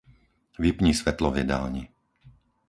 Vypni svetlo v jedálni.